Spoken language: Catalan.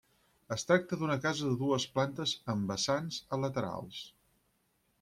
Es tracta d'una casa de dues plantes amb vessants a laterals.